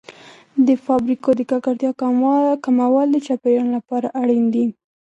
د فابریکو د ککړتیا کمول د چاپیریال لپاره اړین دي.